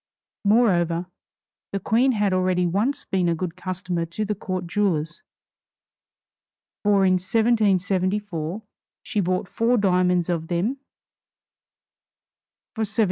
Moreover, the Queen had already once been a good customer to the court jewelers, for in 1774 she bought four diamonds of them for $75,000.